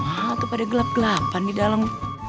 hah tuh pada gelap gelapan di dalem